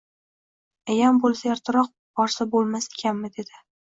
Ayam boʻlsa ertaroq borsa boʻlmas ekanmi dedi